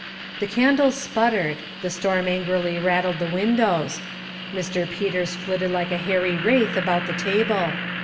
The candles sputtered, the storm angrily rattled the windows; Mr. Peters flitted like a hairy wraith about the table.